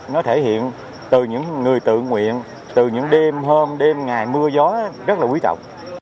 nó thể hiện từ những người tự nguyện từ những đêm hôm đêm ngày mưa gió rất là quý tộc